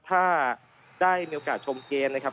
ถ้าได้มีโอกาสชมเกมนะครับ